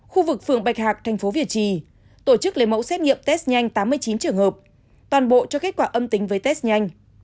khu vực phường bạch hạc tp việt trì tổ chức lấy mẫu xét nghiệm test nhanh tám mươi chín trường hợp toàn bộ cho kết quả âm tính với test nhanh